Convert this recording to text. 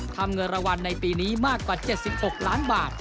ทำเงินรวรรณในปีนี้มากกว่า๗๖ล้านบาท